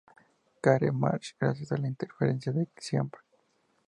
Career Match" gracias a la interferencia de Ciampa.